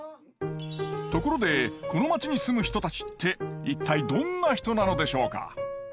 ところでこの町に住む人たちって一体どんな人なのでしょうか？